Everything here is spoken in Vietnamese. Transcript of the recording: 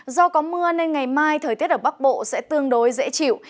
do có mưa nên ngày mai thời tiết ở bắc bộ sẽ tương đối dễ chịu